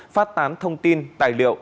phát tán thông tin tài liệu